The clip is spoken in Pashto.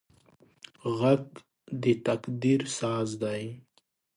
غږ د تقدیر ساز دی